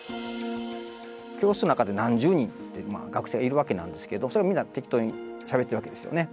教室の中で何十人って学生がいるわけなんですけどそれがみんな適当にしゃべってるわけですよね。